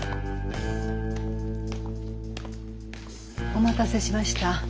お待たせしました。